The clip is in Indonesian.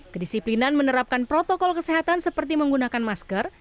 kedisiplinan menerapkan protokol kesehatan seperti menggunakan masker